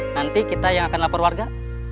nanti kita yang akan lapor warga